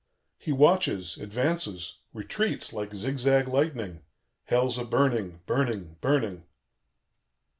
"He watches, advances, retreats like zig zag lightning; Hell's a burning, burning, burning.